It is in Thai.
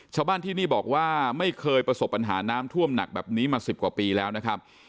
ชาวบ้านที่นี่บอกว่าไม่เคยประสบปัญหาน้ำท่วมหนักแบบนี้มา๑๐กว่าปีแล้วนะครับ